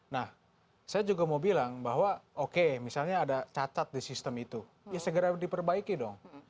nah saya juga mau bilang bahwa oke misalnya ada cacat di sistem itu ya segera diperbaiki dong